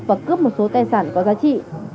và cướp một số tài sản có giá trị